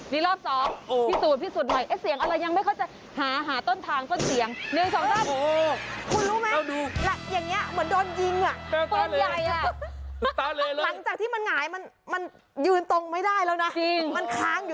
น้องหมาเพิ่มทีมารอบมาบ่อย